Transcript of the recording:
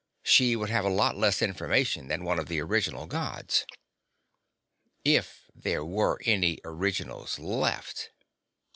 She would have a lot less information than one of the original Gods. _If there were any originals left....